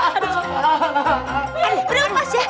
aduh beri lupas ya